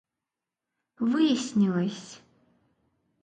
выяснилось